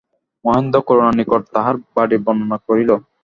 মহেন্দ্র করুণার নিকট তাহার বাড়ির বর্ণনা করিল।